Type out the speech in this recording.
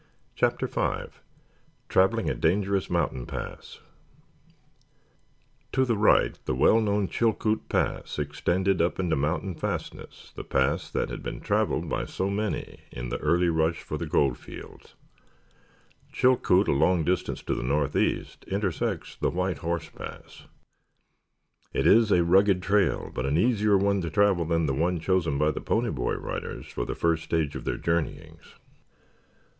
CHAPTER V TRAVELING A DANGEROUS MOUNTAIN PASS To the right the well known Chilkoot Pass extended up into the mountain fastness, the pass that had been traveled by so many in the early rush for the gold fields. Chilkoot a long distance to the northeast intersects the White Horse Pass. It is a rugged trail, but an easier one to travel than the one chosen by the Pony Rider Boys for the first stage of their journeyings.